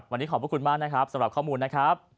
วันนี้ขอบพระคุณมากนะครับสำหรับข้อมูลนะครับ